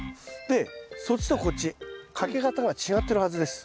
でそっちとこっちかけ方が違ってるはずです。